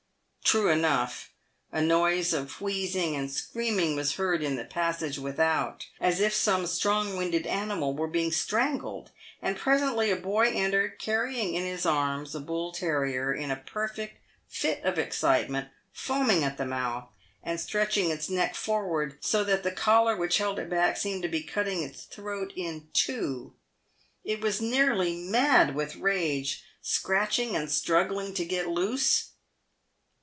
True enough, a noise of wheezing and screaming was heard in the passage without, as if some strong winded animal were being strangled, and presently a boy entered, carrying in his arms a bull terrier in a perfect fit of excitement, foaming at the mouth, and stretching its neck forward, so that the collar which held it back seemed to be cut ting its throat in two. It was nearly mad with rage, scratching and struggling to get loose.